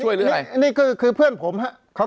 เพราะฉะนั้นประชาธิปไตยเนี่ยคือการยอมรับความเห็นที่แตกต่าง